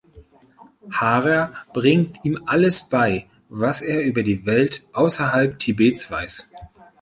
Harrer bringt ihm alles bei, was er über die Welt außerhalb Tibets weiß.